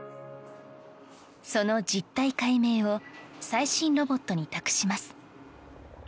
その実態解明を最新ロボットに託します。